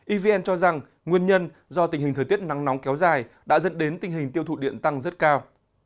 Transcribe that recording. evn cho rằng nguyên nhân do tình hình thời tiết nắng nóng kéo dài đã dẫn đến tình hình tiêu thụ điện tăng rất cao